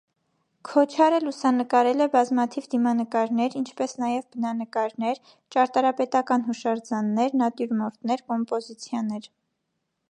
Քոչարը լուսանկարել է բազմաթիվ դիմանկարներ, ինչպես նաև բնանկարներ, ճարտարապետական հուշարձաններ, նատյուրմորտներ, կոմպոզիցիաներ։